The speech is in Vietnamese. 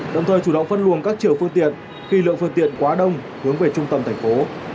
đồng thời chủ động phân luồng các chiều phương tiện khi lượng phương tiện quá đông hướng về trung tâm thành phố